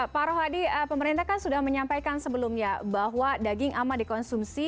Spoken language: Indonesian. pak rohadi pemerintah kan sudah menyampaikan sebelumnya bahwa daging aman dikonsumsi